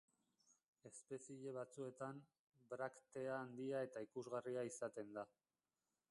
Espezie batzuetan, braktea handia eta ikusgarria izaten da.